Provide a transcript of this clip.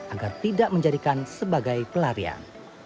agar tidak menjadikan sebagai pelarian